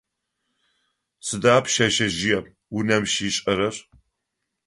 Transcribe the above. Сыда пшъэшъэжъыем унэм щишӏэрэр?